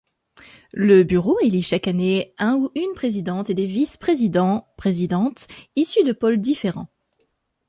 Le bureau élit chaque année un-e président et des vice-président-e-s, issus de pôles différents.